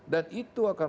dan itu akan